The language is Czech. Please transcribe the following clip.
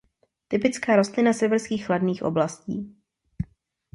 Typická rostlina severských chladných oblastí.